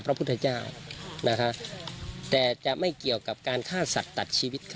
พระพุทธเจ้านะคะแต่จะไม่เกี่ยวกับการฆ่าสัตว์ตัดชีวิตค่ะ